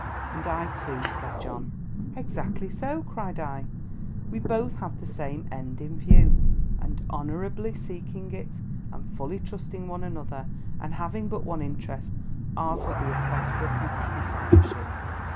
"And I, too," said John. "Exactly so!" cried I. "We both have the same end in view; and, honourably seeking it, and fully trusting one another, and having but one interest, ours will be a prosperous and happy partnership."